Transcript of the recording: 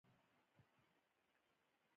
کوچني کاروبارونه د راتلونکي نسل لپاره میراث دی.